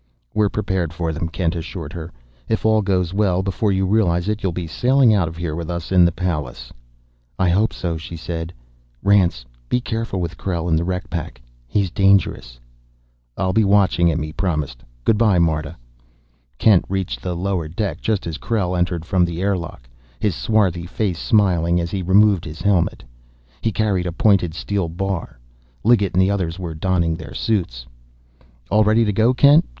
"We're prepared for them," Kent assured her. "If all goes well, before you realize it, you'll be sailing out of here with us in the Pallas." "I hope so," she said. "Rance, be careful with Krell in the wreck pack. He's dangerous." "I'll be watching him," he promised. "Good by, Marta." Kent reached the lower deck just as Krell entered from the airlock, his swarthy face smiling as he removed his helmet. He carried a pointed steel bar. Liggett and the others were donning their suits. "All ready to go, Kent?"